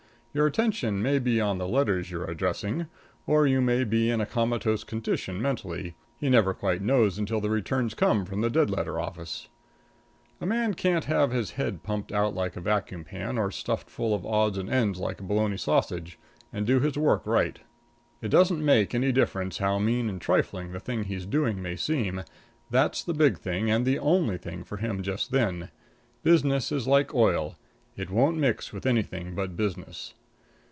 Your attention may be on the letters you are addressing, or you may be in a comatose condition mentally; he never quite knows until the returns come from the dead letter office. A man can't have his head pumped out like a vacuum pan, or stuffed full of odds and ends like a bologna sausage, and do his work right. It doesn't make any difference how mean and trifling the thing he's doing may seem, that's the big thing and the only thing for him just then. Business is like oil it won't mix with anything but business.